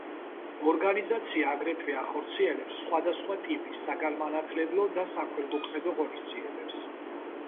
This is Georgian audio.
ორგანიზაცია აგრეთვე ახორციელებს სხვადასხვა ტიპის საგანმანათლებლო და საქველმოქმედო ღონისძიებებს.